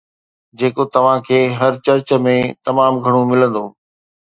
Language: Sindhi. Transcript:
جيڪو توهان کي هر چرچ ۾ تمام گهڻو ملندو